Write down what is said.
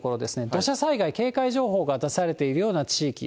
土砂災害警戒情報が出されているような地域。